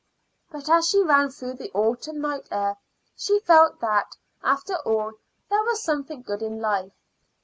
But as she ran through the autumn night air she felt that, after all, there was something good in life.